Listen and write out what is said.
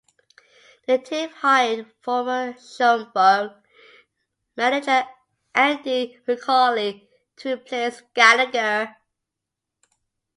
The team hired former Schaumburg manager Andy McCauley to replace Gallagher.